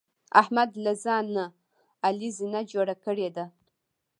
احمد له ځان نه علي زینه جوړه کړې ده.